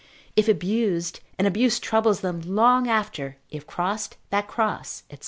If abused, an abuse troubles them long after; if crossed, that cross, &c.